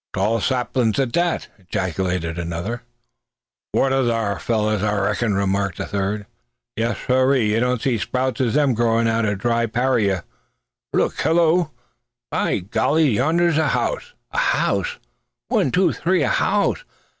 "Tall saplins at that wagh!" ejaculated another. "Water thar, fellers, I reckin!" remarked a third. "Yes, siree! Yer don't see such sprouts as them growin' out o' a dry paraira. Look! Hollo!" "By gollies, yonder's a house!" "A house? One, two, three! A house?